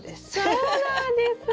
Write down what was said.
そうなんです！